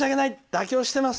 妥協してます。